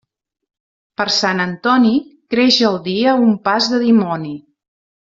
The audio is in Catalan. Per Sant Antoni, creix el dia un pas de dimoni.